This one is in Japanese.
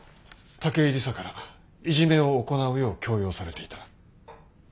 武井理沙からいじめを行うよう強要されていた。